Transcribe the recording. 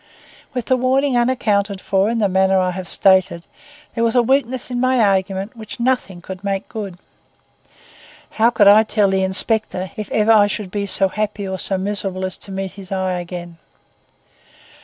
With the warning unaccounted for in the manner I have stated, there was a weakness in my argument which nothing could make good. How could I tell the inspector, if ever I should be so happy or so miserable as to meet his eye again?